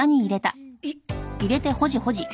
えっ！